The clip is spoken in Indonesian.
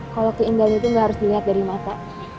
kalau keindahan itu gak harus dilihat dari mata